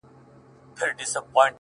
• نه قوت یې د دښمن وو آزمېیلی ,